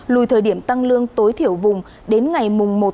lùi thời điểm tăng lương tối thiểu vùng đến ngày một một hai nghìn hai mươi ba